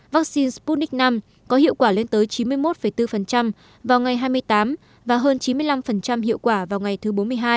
vaccine sputnik v có hiệu quả lên tới chín mươi một bốn vào ngày hai mươi tám và hơn chín mươi năm hiệu quả vào ngày thứ bốn mươi hai